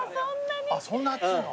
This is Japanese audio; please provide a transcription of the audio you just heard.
そんな熱いの？